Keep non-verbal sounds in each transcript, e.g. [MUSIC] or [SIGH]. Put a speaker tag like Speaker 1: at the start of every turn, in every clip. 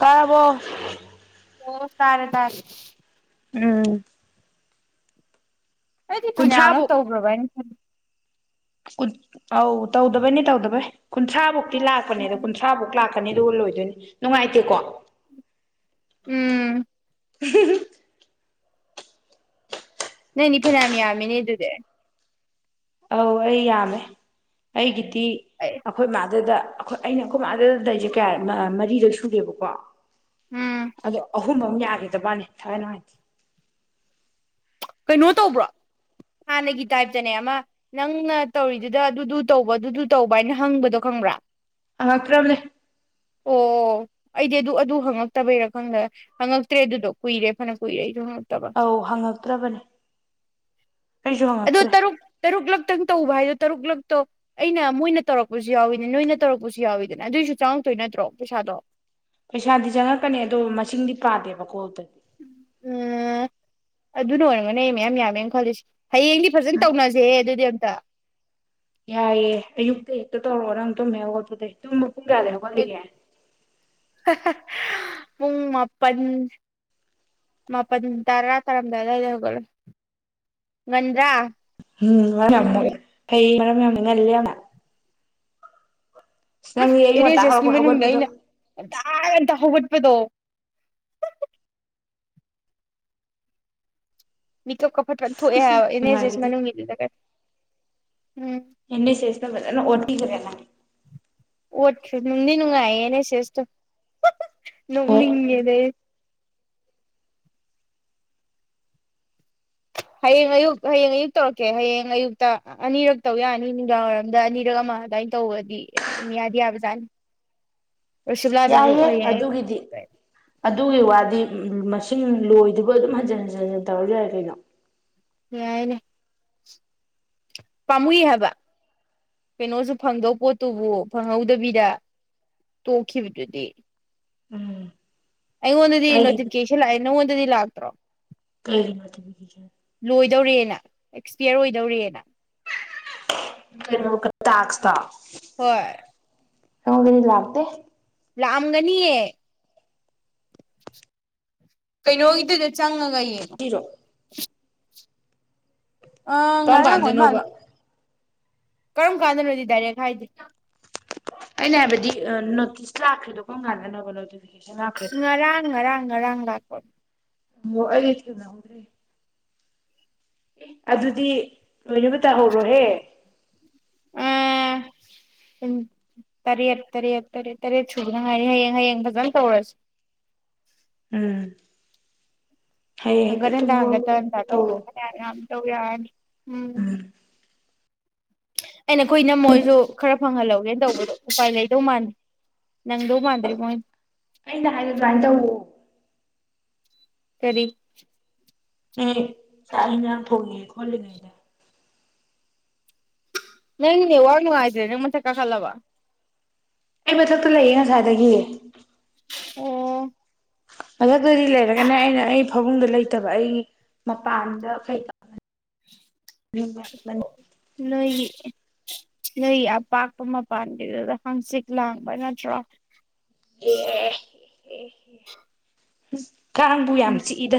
Speaker 1: ꯀꯕꯣ
Speaker 2: ꯑꯣ ꯇꯥꯔꯦ ꯇꯥꯔꯦ
Speaker 1: ꯎꯝ
Speaker 2: ꯑꯩꯗꯤ ꯐꯅꯌꯥꯝꯅ
Speaker 1: ꯀꯨꯟꯊ꯭ꯔꯥꯕꯨꯛ
Speaker 2: ꯇꯧꯈ꯭ꯔꯣꯕ ꯍꯥꯏꯩꯅ ꯈ
Speaker 1: ꯑꯧ ꯇꯧꯗꯕꯩꯅꯤ ꯇꯧꯗꯕꯩ ꯀꯨꯟꯊ꯭ꯔꯥꯕꯨꯨꯛ ꯂꯥꯛꯄꯅꯦꯗ
Speaker 2: ꯎꯝ
Speaker 1: ꯀꯨꯟꯊ꯭ꯔꯥꯃꯨꯛ ꯂꯥꯛꯄ ꯀꯅꯤ ꯑꯗꯨꯒ ꯂꯣꯏꯗꯣꯏꯅꯤ ꯅꯨꯡꯉꯥꯏꯇꯦꯀꯣ
Speaker 2: ꯎꯝ
Speaker 1: [UNINTELLIGIBLE]
Speaker 2: ꯅꯪꯅꯤ ꯐꯅꯌꯥꯝ ꯌꯥꯝꯃꯤꯅꯦ ꯑꯗꯨꯗꯤ
Speaker 1: ꯑꯧ ꯑꯩ ꯌꯥꯝꯃꯦꯦ ꯑꯩꯒꯤ ꯁꯤ
Speaker 2: ꯑꯩ
Speaker 1: ꯑꯩꯈꯣꯏ ꯃꯥꯗꯗ ꯑꯩꯈꯣꯏ ꯑꯩꯅ ꯑꯩꯈꯃꯥꯗ ꯂꯩꯁꯦ ꯀꯌꯥ ꯃꯔꯤꯗ ꯁꯨꯗꯦꯕꯀꯣ
Speaker 2: ꯎꯝ
Speaker 1: ꯑꯗꯣ ꯑꯍꯨꯝ ꯌꯥ ꯕꯥꯅꯤ ꯊꯅ ꯍꯥꯏ
Speaker 2: ꯀꯩꯅꯣ ꯇꯧꯕ꯭ꯔꯣ ꯍꯥꯟꯅꯒꯤ ꯇꯥꯏꯞꯇꯅꯦ ꯑꯃ ꯅꯪꯅ ꯇꯧꯔꯤꯗꯨꯗ ꯑꯗꯨꯗꯨ ꯇꯧꯕ ꯑꯗꯨꯗꯨ ꯇꯧꯕ ꯍꯥꯏꯅ ꯍꯪꯕꯗꯣ ꯈꯪꯕ꯭ꯔꯥ
Speaker 1: ꯑꯈ꯭ꯔꯝꯅꯦ
Speaker 2: ꯑꯣ ꯑꯩꯗꯤ ꯑꯗꯨ ꯑꯗꯨ ꯍꯪꯉꯛꯇꯕꯩꯔꯥ ꯈꯪꯗ꯭ꯔꯦ ꯍꯪꯉꯛꯇ꯭ꯔꯦ ꯑꯗꯨꯗꯣ ꯀꯨꯏꯔꯦ ꯐꯅ ꯀꯨꯏꯔꯦ ꯑꯩ
Speaker 1: ꯑꯧ ꯍꯪꯉꯛꯇ꯭ꯔꯕ
Speaker 2: ꯑꯗꯨ
Speaker 1: ꯍꯪꯉꯛꯇ꯭ꯔꯦ
Speaker 2: ꯇꯔꯨꯛ ꯇꯔꯨꯛꯛꯇ ꯇꯧꯕ ꯍꯥꯏꯗꯣ ꯇꯔꯨꯛꯂꯛꯇꯣ ꯑꯩꯅ ꯃꯣꯏꯅ ꯇꯧꯔꯛꯄꯁꯨ ꯌꯥꯎꯏꯤꯅꯦ ꯅꯣꯏꯅ ꯇꯧꯔꯛꯄꯁꯨ ꯌꯥꯎꯋꯤꯗꯅ ꯑꯗꯨꯑꯣꯏꯁꯨ ꯆꯪꯉꯛꯇꯣꯏ ꯅꯠꯇ꯭ꯔꯣ ꯄꯩꯁꯥꯗꯣ
Speaker 1: ꯄꯩꯁꯥꯗꯤ ꯆꯪꯉꯛꯀꯅꯤ ꯑꯗꯣ ꯃꯁꯤꯡꯗꯤ ꯄꯥꯗꯦꯕꯀꯣꯇꯗꯤ
Speaker 2: ꯎꯝ ꯑꯗꯨꯅ ꯑꯣꯏꯔꯝꯒꯅꯦ ꯑꯩ ꯃꯌꯥꯝ ꯌꯥꯝꯃꯦꯅ ꯈꯜꯂꯤꯁꯦ ꯍꯌꯦꯡꯗꯤ ꯐꯖꯅ ꯇꯧꯅꯁꯦ ꯑꯗꯨꯗꯤ ꯀꯨꯠꯇ
Speaker 1: ꯌꯥꯏꯑꯦ ꯑꯌꯨꯛꯇ ꯍꯦꯛꯇ ꯇꯧꯔꯛꯑꯣ ꯅꯪ ꯇꯨꯝꯃꯦꯦꯠꯄꯗ ꯍꯨꯡꯒꯗꯦ ꯃꯜꯒ
Speaker 2: ꯄꯨꯡ ꯃꯥꯄꯜ ꯃꯥꯄꯜ ꯇꯔꯥ ꯇꯥꯔꯝꯗꯥꯏꯋꯥꯏꯗ ꯍꯧꯒꯠꯂꯣꯏ ꯉꯟꯗ꯭ꯔꯥ
Speaker 1: ꯎꯝ ꯃꯃ ꯀꯩ ꯃꯔꯃꯦꯃ ꯅꯂꯅ ꯑꯌꯨꯛ ꯉꯟꯇꯥ
Speaker 2: ꯑꯦꯔꯦꯖꯁꯀꯤ
Speaker 1: ꯍꯧꯔꯛꯄ
Speaker 2: ꯃꯅꯨꯡꯗ
Speaker 1: ꯍꯧꯒꯠꯄꯗꯣ
Speaker 2: ꯑꯩꯅ ꯑꯇꯥꯟꯇ ꯍꯧꯒ ꯗꯣ ꯃꯤꯀ ꯀ ꯐꯠ ꯏꯅꯦꯖꯦꯁ ꯃꯅꯖꯒꯦ
Speaker 1: ꯑꯦꯟꯅ ꯆꯦꯁꯅꯅ [UNINTELLIGIBLE]
Speaker 2: ꯑꯣꯠ ꯅꯅꯨꯡꯗꯤ ꯅꯨꯡꯉꯥꯏꯦꯅꯦ ꯁꯤꯦꯁꯇ
Speaker 1: ꯍꯣꯏ
Speaker 2: ꯃꯤꯗ ꯍꯌꯦꯡ ꯑꯌꯨꯛ ꯍꯌꯦꯡ ꯑꯌꯨꯛ ꯇꯧꯔꯛꯀꯦ ꯍꯌꯦꯡ ꯑꯌꯨꯛꯇ ꯑꯅꯤꯔꯛ ꯇꯧ ꯌꯥꯅꯤ ꯅꯨꯡꯗꯥꯡꯋꯥꯏꯔꯝꯗ ꯑꯅꯤꯔꯛ ꯑꯃ ꯑꯗꯨꯃꯏꯅ ꯇꯧꯕꯗꯤ ꯌꯥꯗꯤ ꯌꯥꯕꯖꯥꯠꯅꯤ ꯔꯣꯁꯤꯕꯂꯥꯗꯨꯁꯨ
Speaker 1: ꯌꯥꯏꯌꯦ
Speaker 2: ꯍꯌꯦꯡ ꯑꯌꯨꯛ
Speaker 1: ꯑꯗꯨꯒꯤꯗꯤ ꯑꯗꯨꯒꯤ ꯋꯥꯗꯤ ꯎ ꯃꯁꯤꯡ ꯂꯣꯏꯗꯨꯕ ꯑꯗꯨꯝ ꯍꯟꯖꯤꯟ ꯍꯟꯖꯤꯟꯟ ꯇꯧꯔ ꯌꯥꯔꯦ ꯀꯩꯅꯣ
Speaker 2: ꯌꯥꯏꯅꯦꯦ ꯄꯥꯝꯃꯨꯏ ꯍꯥꯏꯕ ꯀꯩꯅꯣꯁꯨ ꯐꯪꯗꯧ ꯄꯣꯠꯇꯨꯕꯨ ꯐꯪꯍꯧꯗꯕꯤꯗ ꯇꯣꯛꯈꯤꯕꯗꯨꯗꯤ
Speaker 1: ꯎꯝ
Speaker 2: ꯑꯩꯉꯣꯟꯗꯗꯤ ꯅꯣꯇꯤꯐꯤꯦꯁꯟ ꯂꯥꯛꯅꯪꯉꯣꯟꯗꯗꯤ ꯂꯥꯛ ꯭ꯔꯣ
Speaker 1: ꯀꯩꯔꯤ ꯉ
Speaker 2: ꯂꯣꯏꯗꯧꯔꯦꯅ ꯑꯦꯛꯁꯄꯤꯌꯔ ꯑꯣꯏꯗꯧꯔꯦꯅ
Speaker 1: ꯀꯩꯅ ꯇꯥꯁꯇ
Speaker 2: ꯍꯣꯏ
Speaker 1: ꯍꯉ ꯀꯗꯤ ꯂꯥꯛꯇ
Speaker 2: ꯂꯥꯛꯑꯝꯒꯅꯤꯌꯦ ꯀꯩꯅꯣꯒꯤꯗꯨ ꯆꯉꯒ ꯌꯦꯅ
Speaker 1: ꯄꯤꯔꯣ ꯄꯥꯎ
Speaker 2: ꯉꯔꯥꯡ ꯑꯣꯏ ꯃꯥꯜꯂꯦ
Speaker 1: ꯀꯥꯟꯗꯣꯏꯅꯣꯕ
Speaker 2: ꯀꯔꯝ ꯀꯥꯟꯗꯅꯣꯗꯤ ꯗꯥꯏꯔꯦꯛ ꯍꯥꯏꯗꯤꯦ
Speaker 1: ꯑꯩꯅ ꯍꯥꯏꯕꯗꯤ ꯅꯣꯇꯤꯁ ꯂꯥꯛꯈꯗꯣ ꯀꯣꯡ ꯀꯥꯟꯗꯅꯕ ꯅꯣꯇ
Speaker 2: ꯉꯔꯥꯡ ꯉꯔꯥꯡ ꯉꯔꯥꯡ ꯉ ꯂꯥꯛꯄ
Speaker 1: ꯃꯣꯜ ꯏ ꯅꯗ꯭ꯔꯔꯤ ꯑꯦ ꯑꯗꯨꯗꯤ ꯂꯣꯏꯅꯕ ꯇꯥꯍꯧꯔꯣꯍꯦ
Speaker 2: ꯎ ꯇꯔꯦꯠ ꯇꯔꯦꯠꯔꯠ ꯇꯔꯦꯠ ꯁꯨꯕꯅ ꯍꯥꯏꯥꯏꯅꯤ ꯍꯌꯦꯡ ꯍꯌꯦꯡ ꯐꯖꯅ ꯇꯧꯔꯁꯤ
Speaker 1: ꯎꯝ ꯍꯌꯦꯡ ꯍꯦꯛꯇ
Speaker 2: ꯒꯔꯗ ꯍꯪꯒ
Speaker 1: ꯇꯨꯝꯍꯧꯔꯒ
Speaker 2: ꯇ
Speaker 1: ꯍꯦꯛꯇ ꯇꯧꯔꯣ
Speaker 2: ꯇꯧꯕ ꯌꯥꯝ ꯇꯧ ꯌꯥꯅꯤ ꯎꯝ ꯑꯩꯅ ꯑꯩꯈꯣꯏ ꯅꯝ ꯃꯣꯏꯁꯨ ꯈꯔ ꯐꯪꯍꯜꯍꯧꯋꯤ ꯇꯧꯕꯗꯣ ꯎꯄꯥꯏ ꯂꯩꯗꯧ ꯃꯥꯟꯜꯂꯤꯦ
Speaker 1: ꯑꯩꯅ ꯍꯥꯏꯔ ꯑꯗꯨꯃꯥꯏꯅ ꯇꯧꯋꯣ
Speaker 2: ꯀꯔꯤ
Speaker 1: ꯎꯝ ꯆꯥꯏꯅ ꯐ ꯈꯣꯜꯂꯤꯒꯩꯗ
Speaker 2: ꯅꯪꯅꯤ ꯋꯥꯡꯉꯅꯨꯡ ꯍꯥꯏꯗꯦ ꯃ ꯀꯂꯕ
Speaker 1: ꯑꯩ ꯃꯊꯛꯛꯇ ꯂꯩꯌꯦꯦ ꯁꯥꯔꯦ ꯑꯗꯒꯤ
Speaker 2: ꯑꯣ
Speaker 1: ꯃꯊꯛꯇꯗꯤ ꯂꯩꯔꯒꯅꯦ ꯑꯩꯅ ꯑꯩ ꯐꯕꯨꯡꯗ ꯂꯩꯇꯕ ꯑꯩ ꯃꯄꯥꯟꯗ ꯀꯩ ꯇ
Speaker 2: ꯅꯣꯏꯒꯤ
Speaker 1: [UNINTELLIGIBLE]
Speaker 2: ꯅꯣꯏꯒꯤ ꯑꯄꯥꯛꯄ ꯃꯄꯥꯟꯒꯤꯗꯨꯗ ꯍꯪꯆꯤꯛ ꯂꯥꯡꯕ ꯅꯠꯇ꯭ꯔꯣ
Speaker 1: ꯑꯦ ꯀꯥꯡꯕꯨ ꯌꯥꯝ
Speaker 2: ꯎꯝ
Speaker 1: ꯆꯤꯛꯏꯗ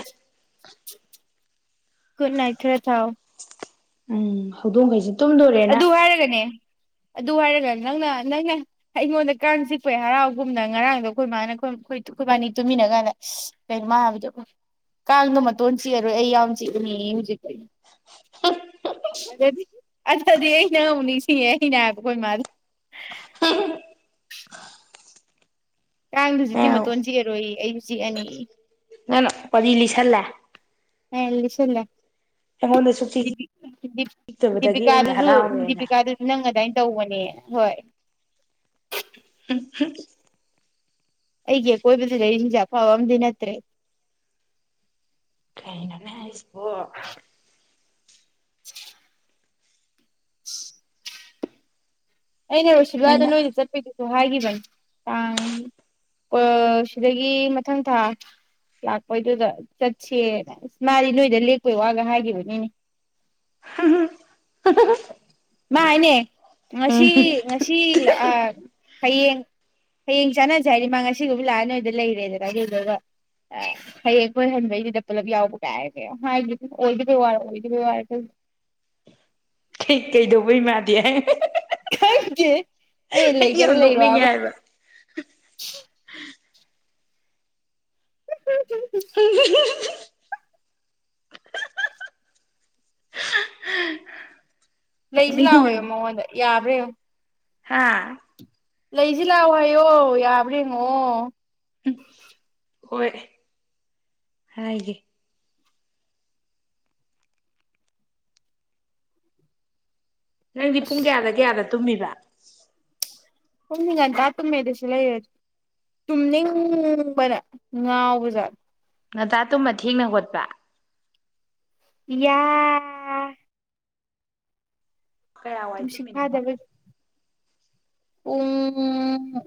Speaker 2: ꯨꯗ ꯏꯠ ꯔꯦ
Speaker 1: ꯎꯝ ꯍꯧꯗꯣꯡꯈꯩꯁꯤꯦ
Speaker 2: ꯑꯗꯨ ꯍꯥꯏꯔꯒꯅꯦ ꯑꯗꯨ ꯍꯥꯏꯔꯒ ꯅꯪꯅ ꯅꯪꯅ ꯑꯩꯉꯣꯟꯗ ꯀꯥꯡ ꯆꯤꯛꯄ ꯍꯔꯥꯎꯒꯨꯝꯅ ꯉꯔꯥꯡꯗꯣ ꯑꯩꯈꯣꯏ ꯃꯥꯅ ꯑꯩꯈꯣꯏ ꯑꯩꯈꯣꯏꯕꯥꯅꯤ ꯇꯨꯃꯤꯟꯅ ꯀꯥꯟꯗ ꯀꯩꯅꯣ ꯃꯥ ꯍꯥꯏꯕꯗꯣ ꯀꯥꯡꯗꯣ ꯃꯇꯣꯟ ꯆꯤꯛꯑꯔꯣꯏ ꯑꯩ ꯌꯥꯝ ꯆꯤꯛꯏꯅꯤ ꯍꯧꯖꯤꯩꯅꯗꯤ ꯑꯠꯇꯗꯤ ꯑꯩꯅ ꯑꯃ ꯅꯤꯡ ꯁꯤꯉ ꯑꯩꯅ ꯍꯥꯏꯕꯈꯣꯏ ꯃꯥꯂ ꯀꯥꯡꯗꯨ ꯍꯧꯖꯤꯛꯇꯤ ꯃꯇꯣꯟ ꯆꯤꯛꯑꯔꯣꯏꯏ ꯑꯩꯁꯨ ꯆꯤꯛꯑꯅꯤ
Speaker 1: ꯄꯔꯤ ꯂꯤꯁꯤꯜꯂꯦ
Speaker 2: ꯂ
Speaker 1: ꯆꯤꯛꯇꯕꯗꯒꯤ ꯑꯩꯅ
Speaker 2: ꯗꯤꯀꯥꯗꯨꯁꯨ
Speaker 1: ꯍꯔꯥꯎꯔꯦꯅ
Speaker 2: ꯗꯤꯄꯤꯀꯥꯗꯨꯁꯨ ꯅꯪ ꯑꯗꯨꯗꯥꯃꯏꯅ ꯇꯧꯕꯅꯦ ꯍꯣꯏꯣꯏ
Speaker 1: ꯎ
Speaker 2: ꯑꯩꯒꯤ ꯑꯀꯣꯏꯕꯗ ꯂꯩꯁꯤꯡꯁꯦ ꯑꯐꯕ ꯑꯃꯗꯤ ꯅꯠꯇ꯭ꯔꯦ
Speaker 1: ꯀꯩꯅꯅꯦ ꯍ
Speaker 2: ꯑꯩꯩꯅꯔꯣꯁꯤꯒꯥꯗ
Speaker 1: ꯑꯩꯅ
Speaker 2: ꯅꯣꯏꯗꯤ ꯆꯠꯄꯤꯗꯦ ꯣ ꯍꯥꯏ ꯏ ꯁꯤꯗꯒꯤ ꯃꯊꯪ ꯊꯥ ꯂꯥꯛꯄꯩꯗꯨꯗ ꯆꯠꯁꯦꯅ ꯃꯥꯗꯤ ꯅꯣꯏꯗ ꯂꯦꯛꯄꯩ ꯋꯥꯒ ꯍꯥꯏꯈꯤꯕꯅꯤꯅꯦ
Speaker 1: [UNINTELLIGIBLE]
Speaker 2: ꯃꯥ ꯍꯥꯏꯅꯦ ꯉꯁꯤ
Speaker 1: ꯎꯝ
Speaker 2: ꯉꯁꯤ ꯏꯂ ꯑ ꯍꯌꯦꯡ ꯍꯌꯦꯡ ꯆꯥꯟꯅꯁꯦ ꯍꯥꯏꯗꯤ ꯃꯥ ꯉꯁꯤꯒꯕꯨ ꯂꯥꯛꯑ ꯅꯣꯏꯗ ꯂꯩꯔꯦꯗꯅꯗꯨꯒ ꯍꯌꯦꯡ ꯀꯣꯏꯍꯟꯕꯩꯗꯨꯗ ꯄꯨꯂꯞ ꯌꯥꯎꯕ ꯀꯥꯏꯔ ꯀ ꯍꯥꯏꯕ ꯑꯣꯏꯗꯕꯩ ꯋꯥꯔꯦ ꯑꯣꯏꯗꯕꯩ ꯋꯥꯔꯦ ꯀ
Speaker 1: ꯀꯩ ꯀꯩꯗꯧꯕꯩ ꯏꯃꯗꯤ
Speaker 2: ꯦ ꯑꯦ
Speaker 1: ꯌꯥꯝ
Speaker 2: ꯂꯩꯒꯦꯔ
Speaker 1: ꯅꯣꯛꯅꯤꯡꯉꯦ
Speaker 2: ꯂꯩꯔꯣꯕ
Speaker 1: ꯍꯥꯏꯕ
Speaker 2: ꯎ
Speaker 1: [UNINTELLIGIBLE]
Speaker 2: ꯂꯩꯁꯤ
Speaker 1: ꯅꯣꯛꯅꯤꯡꯉꯦ
Speaker 2: ꯂꯑꯣ ꯃꯉꯣꯟ ꯌꯥ ꯑꯗꯨꯦ
Speaker 1: ꯍꯥꯥ
Speaker 2: ꯂꯩꯁꯤ ꯂꯥꯛꯑꯣ ꯍꯥꯏꯌꯣ ꯌꯥ ꯑꯉꯣ
Speaker 1: ꯍꯣꯏ ꯍꯥꯏꯒꯦ ꯅꯪꯗꯤ ꯄꯨꯡ ꯀꯌꯥꯗ ꯀꯌꯥꯗꯦ ꯇꯨꯝꯃꯕ
Speaker 2: ꯄꯨꯝꯃꯤ ꯉꯟꯇꯥ ꯇꯨꯝꯃꯦ ꯑꯗꯨꯁꯨ ꯂꯩꯔꯗꯤ ꯆꯨꯝꯅꯤꯡꯕꯅ ꯉꯥꯎꯕꯖꯥꯠ
Speaker 1: ꯉꯇꯥ ꯇꯨꯝꯕ ꯊꯦꯡꯅ ꯈꯣꯠꯄ
Speaker 2: ꯌꯥ
Speaker 1: ꯀꯌꯥ ꯋꯥꯏ ꯇꯨꯝꯃꯤꯅꯣꯕ
Speaker 2: ꯎꯝ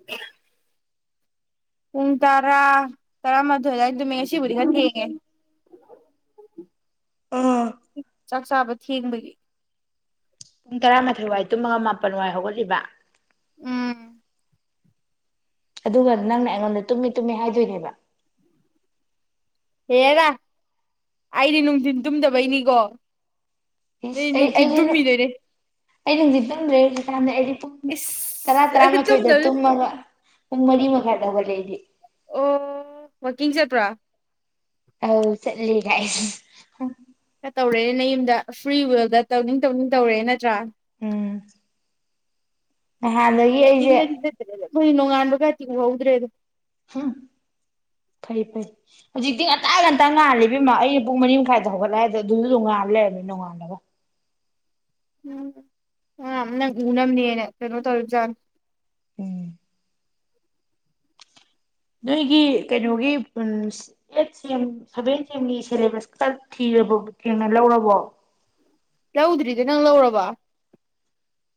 Speaker 2: ꯄꯨꯡ ꯇꯔꯥ ꯇꯔꯥꯃꯥꯊꯣꯏ ꯑꯗꯨꯋꯥꯏ ꯑꯗꯨꯃꯤ ꯉꯁꯤꯕꯨꯗꯤ ꯈꯔ ꯊꯦꯡꯉꯦ
Speaker 1: ꯑꯝ
Speaker 2: ꯆꯥꯛ ꯆꯥꯕ ꯊꯦꯡꯕꯒꯤ
Speaker 1: ꯄꯨꯡ ꯇꯔꯥꯃꯥꯊꯣꯏ ꯋꯥꯏ ꯇꯨꯝꯃꯉꯒꯥ ꯃꯥꯄꯜ ꯋꯥꯏ ꯍꯧꯒꯠꯂꯤꯕ
Speaker 2: ꯎꯝ
Speaker 1: ꯑꯗꯨꯒ ꯅꯪꯅ ꯑꯩꯉꯣꯟꯗ ꯇꯨꯝꯃꯤ ꯇꯨꯝꯃꯤ ꯍꯥꯏꯗꯣꯏꯅꯦꯕ
Speaker 2: ꯍꯦꯔ ꯑꯩꯗꯤ ꯅꯨꯡꯊꯤꯤꯟ ꯇꯨꯝꯗꯕꯩꯅꯤꯀꯣ
Speaker 1: ꯏꯁ
Speaker 2: ꯑꯗꯩ
Speaker 1: ꯑꯩ
Speaker 2: ꯅꯨꯡꯊꯤꯟ
Speaker 1: ꯑꯩꯅ
Speaker 2: ꯇꯨꯝꯃꯤꯗꯣꯏꯅꯦ
Speaker 1: ꯑꯩ ꯅꯨꯡꯗꯤ ꯇꯨꯝꯗ꯭ꯔꯦ ꯍꯧꯖꯤꯛꯀꯥꯟꯗ ꯑꯩꯗꯤ ꯄꯨꯡ ꯇꯔꯥ
Speaker 2: ꯏꯁ
Speaker 1: ꯇꯔꯥꯃꯥꯊꯣꯏꯗ
Speaker 2: ꯇꯨꯝꯗꯕ
Speaker 1: ꯇꯨꯝꯃꯕ ꯄꯨꯡ ꯃꯔꯤ ꯃꯈꯥ ꯇꯕ ꯂꯩꯗꯤ
Speaker 2: ꯑꯣ ꯋꯥꯀꯤꯡ ꯆꯦꯠꯄ꯭ꯔꯥ
Speaker 1: ꯑ ꯆꯠ
Speaker 2: ꯀ ꯇꯧꯔꯦ ꯅ ꯌꯨꯝꯗ ꯐ꯭ꯔꯤ ꯋꯦꯜꯗ ꯇꯧꯅꯤꯡ ꯇꯧꯅꯤꯡ ꯇꯧꯔꯦ ꯅꯠꯇ꯭ꯔꯥ
Speaker 1: ꯎꯝ ꯍꯥꯟꯗꯒꯤ ꯑꯩꯁꯦ
Speaker 2: ꯃꯣꯏ ꯅꯣꯡꯉꯥꯟꯕꯒ ꯇꯤꯡꯍꯧꯗ꯭ꯔꯦꯗꯣ
Speaker 1: ꯎꯝ ꯐꯩ ꯐꯩ ꯍꯧꯖꯤꯛꯇꯤ ꯉꯟꯇꯥ ꯉꯟꯇ ꯉꯥꯜꯂꯤꯕꯦꯝꯃ ꯑꯩꯅ ꯄꯨꯡ ꯃꯔꯤ ꯃꯈꯥꯏꯗ ꯍꯧꯒꯠꯂꯛꯑꯦꯗꯣ ꯑꯗꯨꯗꯨ ꯑꯗꯨꯝ ꯉꯥ ꯂꯩꯔꯝꯃꯤ ꯅꯣꯡꯉꯥꯜꯂꯒ
Speaker 2: ꯎꯝꯅ ꯎꯨꯅ ꯑꯃꯅꯤꯅꯦ ꯀꯅ ꯇꯧꯔꯖꯥꯟ
Speaker 1: ꯎꯝ ꯅꯣꯏꯒꯤ ꯀꯩꯅꯣꯒꯤ ꯑꯩꯠ ꯁꯦꯝ ꯑ ꯁꯚꯦꯟ ꯁꯦꯝ ꯑꯒꯤ ꯁꯤꯂꯦꯕꯁ ꯈ ꯊꯤꯔꯕ ꯊꯦꯡꯅ ꯂꯧꯔꯕꯣ
Speaker 2: ꯂꯧꯗ꯭ꯔꯤꯗ ꯅꯪ ꯂꯧꯔꯕ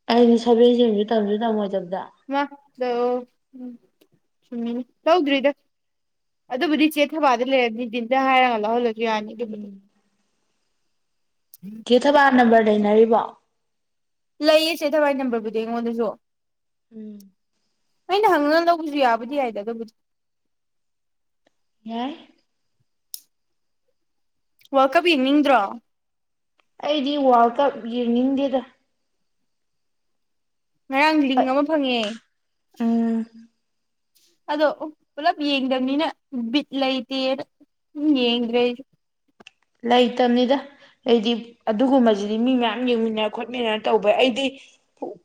Speaker 1: ꯑꯅꯤ ꯁꯦ ꯌꯦꯖ ꯇꯝꯁꯨ ꯇ ꯃꯖ
Speaker 2: ꯃ ꯎꯝ ꯎꯝ ꯇꯧꯗ꯭ꯔꯤꯗ ꯑꯗꯨꯕꯨꯗꯤ ꯆꯦꯊꯕꯗ ꯂꯩꯔꯕꯅꯤ ꯗꯤꯟꯗ ꯍꯥꯏꯔꯒ ꯂꯧꯍꯜꯂꯒ ꯕꯤꯔꯌꯥꯅꯤꯒꯤ
Speaker 1: ꯀ ꯊꯕꯕꯥ ꯅꯝꯕꯔ ꯂꯩꯅꯔꯤꯕꯣ
Speaker 2: ꯂꯩꯌꯦꯁꯦ ꯊꯋꯥꯏ ꯅꯝꯕꯔꯕꯨꯗꯤ ꯑꯩꯉꯣꯟꯗꯁꯨ
Speaker 1: ꯎꯝ
Speaker 2: ꯑꯩꯅ ꯍꯪꯉꯒ ꯂꯧꯕꯁꯨ ꯌꯥꯕꯨꯗꯤ ꯌꯥꯏꯗ ꯑꯗꯨꯕꯨꯗꯤ
Speaker 1: ꯍꯥ
Speaker 2: ꯋꯥꯔ ꯀꯞ ꯌꯦꯡꯅꯤꯡꯗ꯭ꯔꯣ
Speaker 1: ꯑꯩꯗꯤ ꯋꯥꯔꯜ ꯀꯞ ꯌꯦꯡꯅꯤꯡꯗꯦꯗ
Speaker 2: ꯉꯔꯥꯡ ꯂꯤꯡ ꯑꯃ ꯐꯪꯉꯦ
Speaker 1: ꯎꯝ
Speaker 2: ꯑꯗꯣ ꯄꯨꯂꯞ ꯌꯦꯡꯗꯕꯅꯤꯅ ꯕꯤꯠ ꯂꯩꯇꯦꯅ ꯎꯝ ꯌꯦꯡꯗ꯭ꯔꯦ ꯑꯩꯁꯨ
Speaker 1: ꯂꯩꯇꯕꯅꯤꯗ ꯑꯩꯗꯤ ꯑꯗꯨꯒꯨꯝꯕꯁꯤꯗꯤ ꯃꯤ ꯃꯌꯥꯝ ꯌꯦꯡꯃꯤꯟꯅ ꯈꯣꯠꯃꯤꯟꯅꯔ ꯇꯧꯕ ꯑꯩꯗꯤ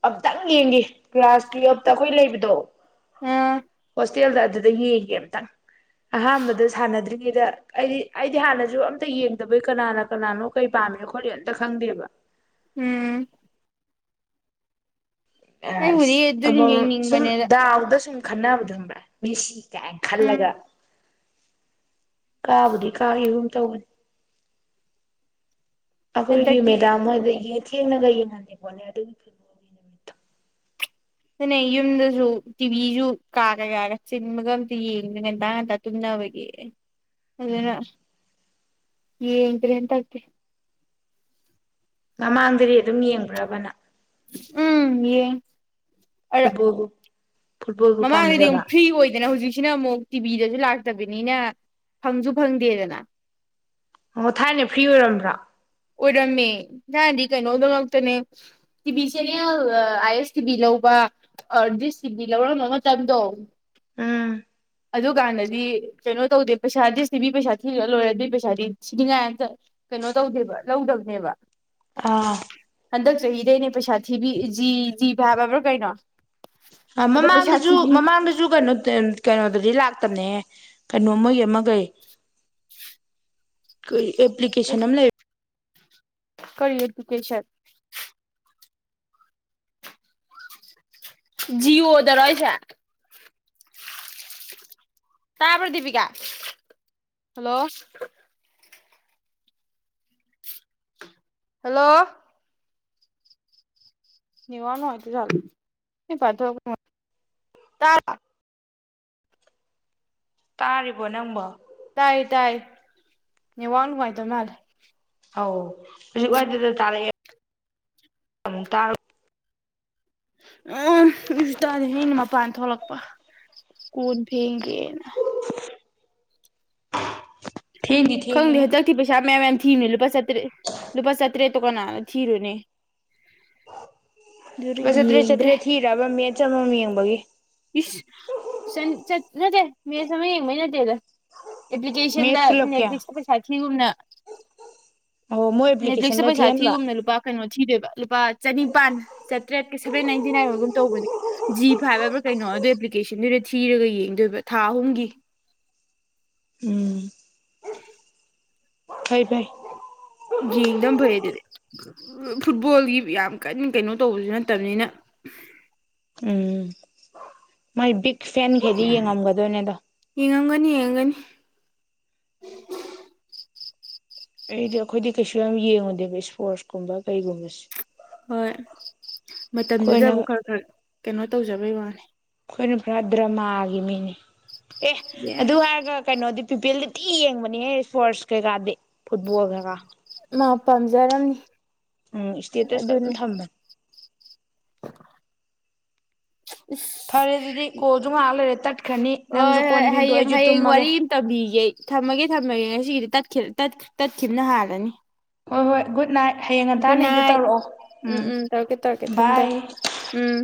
Speaker 1: ꯑꯝꯇꯪ ꯌꯦꯡꯒꯤ ꯀ꯭ꯂꯥꯁ ꯇꯨꯌꯦꯜꯞꯇ ꯑꯩꯈꯣꯏ ꯂꯩꯕꯗꯣ
Speaker 2: ꯑ
Speaker 1: ꯍꯣꯁꯇꯦꯜꯗ ꯑꯗꯨꯗ ꯌꯦꯡꯒꯤ ꯑꯝꯇꯪ ꯑꯍꯥꯟꯕꯗ ꯁꯥꯟꯅꯗ꯭ꯔꯤ [INAUDIBLE] ꯑꯩꯗꯤ ꯑꯩꯗꯤ ꯍꯥꯟꯅꯁꯨ ꯑꯝ ꯑꯝꯇ ꯌꯦꯡꯗꯕꯩ ꯀꯅꯥꯅ ꯀꯅꯥꯅꯣ ꯀꯩ ꯄꯥꯝꯃꯤ ꯈꯣꯠꯂꯤ ꯑꯝꯇ ꯈꯪꯗꯦꯕ
Speaker 2: ꯎꯝ
Speaker 1: ꯑꯦ
Speaker 2: ꯑꯩꯕꯨꯗꯤ ꯑꯗꯨꯝ
Speaker 1: ꯑꯃ ꯁꯨꯝ
Speaker 2: ꯌꯦꯡꯅꯤꯡꯕꯅꯦꯗ
Speaker 1: ꯗꯥꯎꯗ ꯁꯨꯝ ꯈꯟꯅꯕꯗꯨ ꯈꯪꯕ꯭ꯔꯥ ꯃꯦꯁꯤ ꯀꯥꯏꯅ
Speaker 2: ꯎꯝ
Speaker 1: ꯈꯜꯂꯒ ꯀꯥꯕꯗꯤ ꯀꯥꯒꯤꯒꯨꯝ ꯇꯧꯕꯅꯤ ꯑꯩꯈꯣꯏꯒꯤ
Speaker 2: ꯍꯟꯗꯛꯇꯤ
Speaker 1: ꯃꯦꯗꯥꯝ ꯍꯣꯏꯒ ꯌꯦ ꯊꯦꯡꯅꯒ ꯌꯦꯡꯍꯜꯂꯤꯄꯣꯠꯅꯤ ꯑꯗꯨꯒꯤ ꯐꯨꯠꯕꯣꯜ ꯅꯨꯃꯤꯠꯇꯣ
Speaker 2: ꯑꯗꯨꯅ ꯌꯨꯝꯗꯁꯨ ꯇꯤꯚꯤꯁꯨ ꯀꯥꯒ ꯀꯥꯒ ꯆꯤꯟꯕꯒ ꯑꯝꯇ ꯌꯦꯡꯗꯦ ꯉꯟꯇꯥ ꯉꯟꯇꯥ ꯇꯨꯝꯅꯕꯒꯤ ꯑꯗꯨꯅ ꯌꯦꯡꯗ꯭ꯔꯦ ꯍꯟꯇꯛꯇꯦ
Speaker 1: ꯃꯃꯥꯡꯗꯗꯤ ꯑꯗꯨꯝ ꯌꯦꯡꯕ꯭ꯔꯥꯕ ꯅꯪ
Speaker 2: ꯎꯝ ꯌꯦꯡꯉꯤ
Speaker 1: ꯐꯨꯠꯕꯣꯜ
Speaker 2: ꯃꯃꯥꯡꯗꯗꯤ ꯑꯃꯨꯛ ꯐ꯭ꯔꯤ ꯑꯣꯏꯗꯅ ꯍꯧꯖꯤꯛꯁꯤꯅ ꯑꯃꯨꯛ ꯇꯤꯚꯡ ꯚꯤ ꯁꯤꯗꯁꯨ ꯂꯥꯛꯇꯕꯤꯅꯤꯅ ꯐꯪꯁꯨ ꯐꯪꯗꯦꯗꯅ
Speaker 1: ꯑꯣ ꯊꯥꯏꯅ ꯐ꯭ꯔꯤ ꯑꯣꯏꯔꯝꯕ꯭ꯔꯣ
Speaker 2: ꯑꯣꯏꯔꯝꯃꯦ ꯅꯍꯥꯟꯗꯤ ꯀꯩꯅꯣꯗꯧ ꯉꯛꯇꯅꯦ T V channel I S TV ꯂꯧꯕ ꯗꯤꯁ ꯇꯤ ꯚꯤ ꯂꯧꯔꯝꯕ ꯃꯇꯝꯗꯣ
Speaker 1: ꯎꯝ
Speaker 2: ꯑꯗꯨꯀꯥꯟꯗꯗꯤ ꯀꯩꯅꯣ ꯇꯧꯗꯦ ꯄꯩꯁꯥ ꯗꯤꯁ ꯇꯤ ꯚꯤ ꯄꯩꯁꯥ ꯊꯤꯔ ꯂꯣꯏꯔ ꯑꯗꯨꯏ ꯄꯩꯁꯥꯗꯤ ꯊꯤꯅꯤꯡꯉꯥꯏꯝꯇ ꯀꯩꯅꯣ ꯇꯧꯗꯦꯕ ꯂꯧꯗꯕꯅꯦꯕ
Speaker 1: ꯑꯥ
Speaker 2: ꯍꯟꯗꯛ ꯆꯍꯤꯗꯩꯅꯦ ꯄꯩꯁꯥ ꯊꯤꯕꯤ ꯖꯤ ꯖꯤꯕ ꯍꯥꯏꯕ꯭ꯔꯥ ꯀꯩꯅꯣ ꯑꯗ ꯄꯩꯁꯥ
Speaker 1: ꯃꯃꯥꯡꯗꯁꯨ
Speaker 2: ꯊꯤꯕꯤ
Speaker 1: ꯃꯃꯥꯡꯗꯁꯨ ꯀꯩꯅꯣ ꯀꯩꯅꯣꯗꯗꯤ ꯂꯥꯛ ꯅꯦ ꯀꯩꯅꯣ ꯃꯣꯏꯒꯤ ꯑꯃ ꯀꯩ ꯀꯩ ꯑꯦꯄ꯭ꯂꯤꯀꯦꯁꯟ ꯑꯃ ꯂꯩ
Speaker 2: ꯀꯔꯤ ꯑꯦꯗꯨꯀꯦꯁꯟ ꯖꯤꯑꯣ ꯗꯔꯣ ꯍꯥꯏꯁꯦ ꯇꯥꯕ꯭ꯔꯣ ꯗꯤꯄꯤꯀꯥ ꯍꯜꯂꯣ ꯍꯜꯂꯣ ꯅꯦꯠꯋꯥꯛ ꯅꯨꯡꯉꯥꯏꯇ ꯖꯥꯠꯂꯣ [UNINTELLIGIBLE]
Speaker 1: ꯇꯥꯔꯤꯕꯣ ꯅꯪꯕꯣ
Speaker 2: ꯇꯥꯏꯌꯦ ꯇꯥꯏꯌꯦ ꯅꯦꯠꯋꯥꯛ ꯅꯨꯡꯉꯥꯏꯇ ꯃꯥꯜꯂꯦ
Speaker 1: ꯑꯧ ꯍꯧꯖꯤꯛ ꯋꯥꯏꯗꯨꯗ ꯇꯥꯔꯛꯑꯦ ꯑꯃꯨꯛ ꯇꯥ
Speaker 2: ꯎ [UNINTELLIGIBLE] ꯃꯄꯥꯟ ꯊꯣꯛꯂꯛꯄ ꯀꯣꯟ ꯐꯦꯡꯒꯦꯅ
Speaker 1: ꯊꯦꯡꯗꯤ ꯊꯦꯡꯉꯦ
Speaker 2: ꯈꯪꯗꯦ ꯍꯟꯗꯛꯇꯤ ꯄꯩꯁꯥ ꯃꯌꯥꯝ ꯃꯌꯥꯝ ꯊꯤꯅꯦ ꯂꯨꯄꯥ ꯆꯥ ꯇ꯭ꯔꯦꯠ ꯂꯨꯄꯥ ꯆꯥꯇ꯭ꯔꯦꯠ ꯇ ꯀꯅ ꯍꯥꯅ ꯊꯤꯔꯨꯅꯦ
Speaker 1: ꯁꯇ꯭ꯔꯦ ꯆꯇ꯭ꯔꯦꯠ ꯊꯤꯔꯑꯕ ꯃꯤ ꯑꯆꯃꯝ ꯌꯦꯡꯕꯒꯤ
Speaker 2: ꯅꯠꯇ ꯃꯦ ꯁ ꯌꯦ ꯃꯅ ꯇꯂ ꯑꯦꯄ꯭ꯂꯤꯀꯦꯁꯟꯗ
Speaker 1: ꯃꯦꯠꯆ ꯄꯨꯂꯞ
Speaker 2: ꯅꯦꯠ
Speaker 1: ꯀꯌꯥ
Speaker 2: ꯂꯤꯁꯇ ꯄꯩꯁꯥꯈꯤꯒꯨꯝꯅ
Speaker 1: ꯑꯣ ꯃꯣꯏ
Speaker 2: ꯅꯦꯠꯐ꯭ꯂꯤꯛꯁ
Speaker 1: ꯑꯦꯄ꯭ꯂꯤꯀꯦꯁꯟꯗ
Speaker 2: ꯄꯩꯁꯥ
Speaker 1: ꯊꯤꯍꯟꯕ
Speaker 2: ꯊꯤꯒꯨꯝꯅ ꯂꯨꯄꯥ ꯀꯩꯅꯣ ꯊꯤꯗꯦꯕ ꯂꯨꯄꯥ ꯆꯅꯤꯄꯥꯟ ꯆꯥꯇ꯭ꯔꯦꯠꯀ ꯁꯚꯦꯟ ꯅꯥꯏꯟꯇꯤ ꯅꯥꯏꯟ ꯑꯣꯏꯒꯨꯝ ꯇꯧꯕꯅꯦ ꯖꯤ ꯐꯥꯏꯚ ꯍꯥꯏꯕ꯭ꯔꯥ ꯀꯩꯅꯣ ꯑꯗꯨ ꯑꯦꯄ꯭ꯂꯤꯀꯦꯁꯟꯗꯨꯗ ꯊꯤꯔꯒ ꯌꯦꯡꯗꯣꯏꯕ ꯊꯥ ꯑꯍꯨꯝꯒꯤ
Speaker 1: ꯀꯩ ꯐꯥꯏ
Speaker 2: ꯒꯗꯕꯣꯏꯗꯗꯤ ꯐꯨꯠꯕꯣꯜꯒꯤ ꯌꯥꯝ ꯀꯟꯅ ꯀꯩꯅꯣ ꯇꯧꯕꯁꯨ ꯅꯠꯇꯕꯅꯤꯅ
Speaker 1: ꯃꯥꯏ ꯛ ꯐꯦꯟ ꯈꯩꯗꯤ ꯌꯦꯡꯉꯝꯒꯗꯣꯏꯅꯦ ꯑꯗꯣ
Speaker 2: ꯅꯤ ꯌꯦꯒꯅꯤ
Speaker 1: ꯑꯩꯗꯤ ꯑꯩꯈꯣꯏꯗꯤ ꯀꯩꯁꯨ ꯌꯥꯝ ꯌꯦꯡꯉꯨꯗꯦꯕ ꯏꯁꯄꯣꯔꯠꯁ ꯀꯨꯝꯕ ꯀꯩꯒꯨꯝꯕꯁꯦ
Speaker 2: ꯍꯣꯏ
Speaker 1: ꯑꯩꯈꯣꯏꯅ
Speaker 2: ꯃꯇꯝꯗꯨꯗꯕꯨ ꯈꯔ ꯈꯔ ꯀꯩꯅꯣ ꯇꯧꯖꯕꯩ ꯋꯥꯅꯤ
Speaker 1: ꯑꯩꯈꯣꯏꯅ ꯄꯨꯔꯥ ꯗ꯭ꯔꯃꯥꯒꯤꯦ ꯃꯤꯅꯤ ꯑꯦ ꯑꯗꯨ
Speaker 2: ꯌꯦꯁ
Speaker 1: ꯍꯥꯏꯒ ꯀꯩꯅꯣꯗꯤ ꯌ ꯄꯤ ꯑꯦꯜꯗꯤꯤ ꯌꯦꯡꯕꯅꯦꯍꯦ ꯏꯁꯄꯣꯔꯠꯁ ꯀꯩꯀꯥꯗꯤ ꯐꯨꯠꯕꯣꯜ ꯀꯩꯀꯥ
Speaker 2: ꯃꯥ ꯄꯥꯝꯖꯔꯝꯅꯤ
Speaker 1: ꯎꯝ ꯏꯁꯇꯦꯇꯁ ꯈꯔ
Speaker 2: ꯑꯗꯨꯅꯤ
Speaker 1: ꯊꯃ ꯐꯔꯦ ꯑꯗꯨꯗꯤ ꯀꯣꯁꯨ ꯉꯥꯏꯍꯥꯛ ꯂꯩꯔꯦ ꯇꯠꯈ꯭ꯔꯅꯤ ꯅꯪꯁꯨ
Speaker 2: ꯍꯣꯏ
Speaker 1: ꯀꯣꯟ
Speaker 2: ꯍꯣꯏ
Speaker 1: ꯐꯦꯡꯗꯣꯛ
Speaker 2: ꯍꯌꯦꯡ
Speaker 1: ꯑꯩꯁꯨ
Speaker 2: ꯍꯌꯦꯡ
Speaker 1: ꯇꯨꯝꯃꯒꯦ
Speaker 2: ꯋꯥꯔꯤ ꯑꯃ ꯇꯝꯕꯤꯒꯦ ꯊꯝꯃꯒꯦ ꯊꯝꯃꯒꯦ ꯉꯁꯤꯒꯤꯗꯤ ꯇꯠꯈꯤꯕꯅ ꯍꯥꯂꯅꯤ
Speaker 1: ꯍꯣꯏ ꯍꯣꯏ ꯨꯗ ꯅꯥꯏꯠ ꯍꯌꯦꯡ ꯉꯟꯇꯥ ꯂꯤꯡꯗ
Speaker 2: ꯕꯨꯅꯥꯏ
Speaker 1: ꯇꯧꯔꯛꯑꯣ
Speaker 2: ꯎꯝ ꯎꯝ ꯇꯧꯔꯒꯦ ꯇꯧꯔꯒꯦ ꯊꯝꯃꯦ ꯊꯦ
Speaker 1: ꯕꯥꯏ
Speaker 2: ꯎꯝ